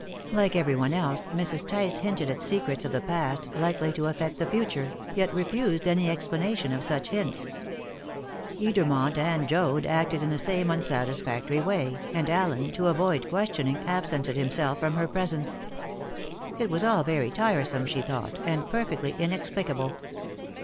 Like everyone else, Mrs. Tice hinted at secrets of the past likely to affect the future, yet refused any explanation of such hints. Edermont and Joad acted in the same unsatisfactory way, and Allen, to avoid questioning, absented himself from her presence. It was all very tiresome, she thought, and perfectly inexplicable.